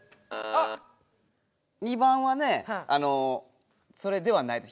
あっ２番はねそれではないです。